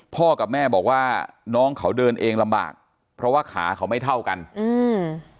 พ่อกับแม่บอกว่าน้องเขาเดินเองลำบากเพราะว่าขาเขาไม่เท่ากันอืม